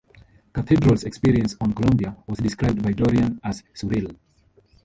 Cathedral's experience on Columbia was described by Dorrian as "surreal".